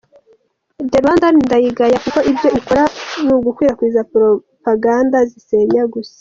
Therwandandan ndayigaya kuko ibyo ikora nugukwirakwiza propaganda zisenya gusa.